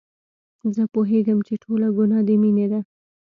زه پوهېږم چې ټوله ګناه د مينې ده.